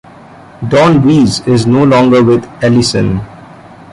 Don Weise is no longer with Alyson.